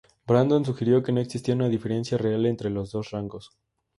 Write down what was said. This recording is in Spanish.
Brandon sugirió que no existía una diferencia real entre los dos rangos.